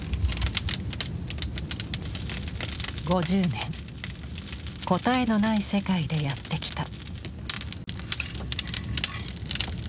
５０年答えのない世界でやってきた。